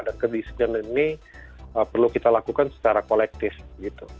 kedisiplinan ini perlu kita lakukan secara kolektif gitu